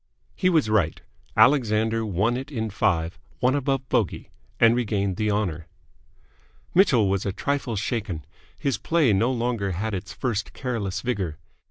He was right. Alexander won it in five, one above bogey, and regained the honour. Mitchell was a trifle shaken. His play no longer had its first careless vigour.